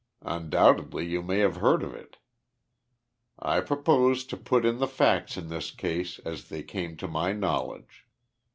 Undoubtedly you may have heard of it. I propose to put in the facts in the case as they came to my knowledge.